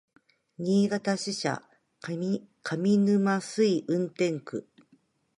新潟支社上沼垂運転区